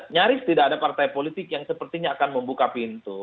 nyaris tidak ada partai politik yang sepertinya akan membuka pintu